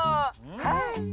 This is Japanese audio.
はい。